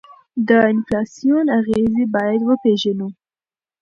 د انفلاسیون اغیزې باید وپیژنو.